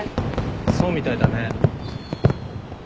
そうみたいだね。